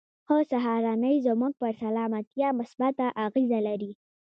ښه سهارنۍ زموږ پر سلامتيا مثبته اغېزه لري.